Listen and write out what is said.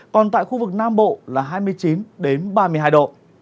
còn tại khu vực nam bộ là hai mươi chín ba mươi hai độ